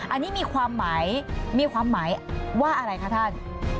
อันนี้มีความหมายมีความหมายว่าอะไรคะท่าน